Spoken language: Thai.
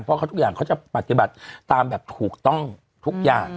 เพราะเขาทุกอย่างเขาจะปฏิบัติตามแบบถูกต้องทุกอย่าง